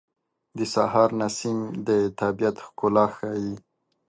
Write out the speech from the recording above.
د سهار نسیم د طبیعت ښکلا ښیي.